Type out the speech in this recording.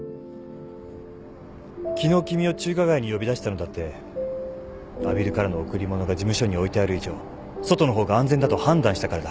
昨日君を中華街に呼び出したのだって阿比留からの贈り物が事務所に置いてある以上外の方が安全だと判断したからだ。